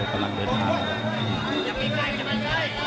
เป็นกำลังเดินภาพ